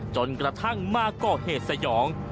จนกระทั่งมาก่อเหตุสยอง